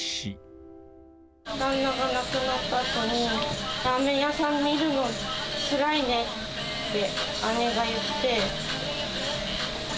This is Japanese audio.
旦那が亡くなったあとに、ラーメン屋さん見るのつらいねって姉が言って。